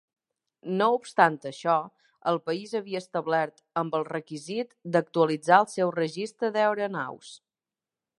No obstant això, el país havia complert amb el requisit d'actualitzar el seu registre d'aeronaus.